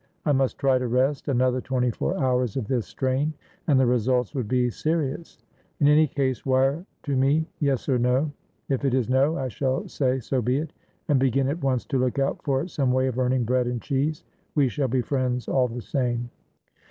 I must try to rest; another twenty four hours of this strain, and the results would be serious. In any case, wire to meyes or no. If it is no, I shall say 'so be it,' and begin at once to look out for some way of earning bread and cheese. We shall be friends all the same."